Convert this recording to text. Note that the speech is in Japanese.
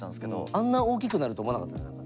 あんな大きくなると思わなかったんじゃない？